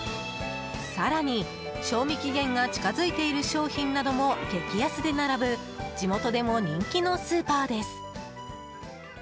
更に、賞味期限が近づいている商品なども激安で並ぶ地元でも人気のスーパーです。